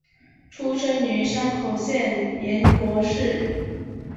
出身于山口县岩国市。